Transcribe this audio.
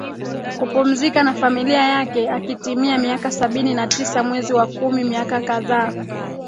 kupumzika na familia yake akitimia miaka sabini na tisa mwezi wa kumi miaka kadhaa